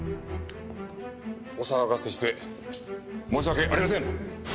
お騒がせして申し訳ありません。